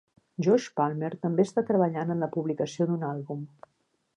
Josh Palmer també està treballant en la publicació d'un àlbum.